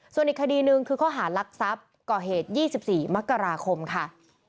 ส่วนอีกคดีหนึ่งคือข้อหารักทรัพย์ก่อเหตุ๒๔มกราคมค่ะ